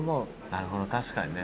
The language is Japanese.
なるほど確かにね。